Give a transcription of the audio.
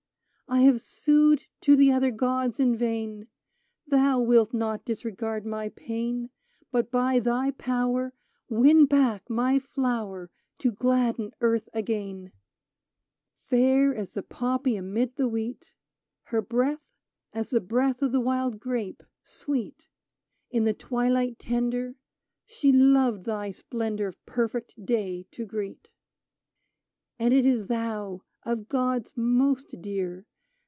I have sued to the other gods in vain : Thou wilt not disregard my pain ; But by thy power Win back my flower To gladden earth again ! 131 D E M E T ER Fair as the poppy amid the wheat, — Her breath as the breath of the wild grape, sweet In the twihght tender, — She loved thy splendor Of perfect day to greet. And it is thou — of gods most dear